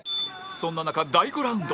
そんな中第５ラウンド